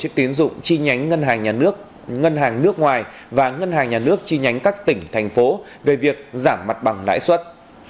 các tổ chức tín dụng chi nhánh ngân hàng nhà nước ngân hàng nước ngoài và ngân hàng nhà nước chi nhánh các tỉnh thành phố về việc giảm mặt bằng lãi suất